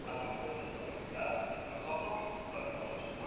Es independiente y algo testarudo.